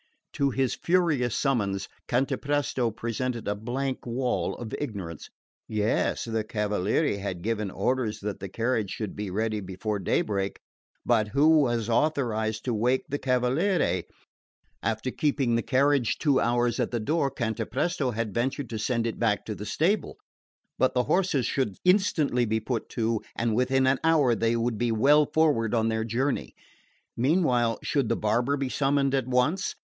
To his furious summons Cantapresto presented a blank wall of ignorance. Yes, the Cavaliere had given orders that the carriage should be ready before daybreak; but who was authorised to wake the cavaliere? After keeping the carriage two hours at the door Cantapresto had ventured to send it back to the stable; but the horses should instantly be put to, and within an hour they would be well forward on their journey. Meanwhile, should the barber be summoned at once?